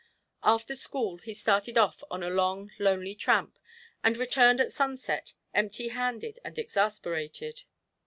After school he started off on a long, lonely tramp, and returned at sunset, empty handed and exasperated.